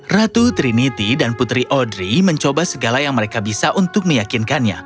ratu trinity dan putri audrey mencoba segala yang mereka bisa untuk meyakinkannya